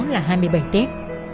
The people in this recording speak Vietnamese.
là hai mươi bảy tết